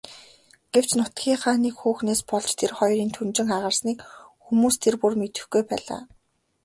Гэвч нутгийнхаа нэг хүүхнээс болж тэр хоёрын түнжин хагарсныг хүмүүс тэр бүр мэдэхгүй байлаа.